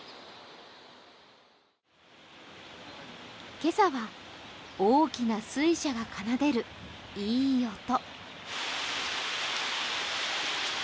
今朝は大きな水車が奏でるいい音。